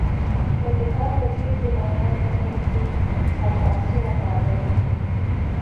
د دفاع وزیر دې بیان په هند کې هم بحثونه پارولي دي.